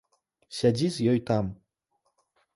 Сядзі з ёй там.